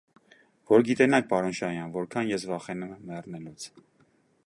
Որ գիտենաք, պարոն Շահյան, որքա՜ն ես վախենում եմ մեռնելուց…